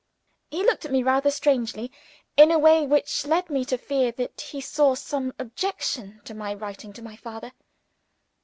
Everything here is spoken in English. He looked at me rather strangely in a way which led me to fear that he saw some objection to my writing to my father.